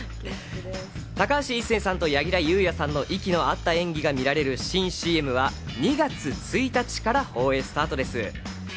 高橋一生さんと柳楽優弥さんの息の合った演技が見られる新ＣＭは２月１日から放映スタートです。